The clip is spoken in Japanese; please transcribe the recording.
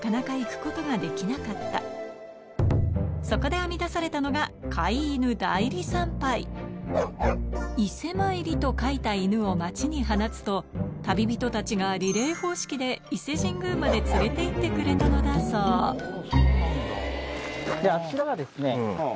そこで編み出されたのが「伊勢参り」と書いた犬を町に放つと旅人たちがリレー方式で伊勢神宮まで連れて行ってくれたのだそうすごいな！